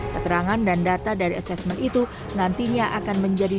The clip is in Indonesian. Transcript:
keterangan dan data dari asesmen itu nantinya akan menjadi